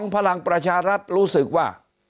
พลังประชารัฐรู้สึกว่า